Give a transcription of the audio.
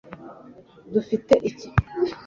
dufite iki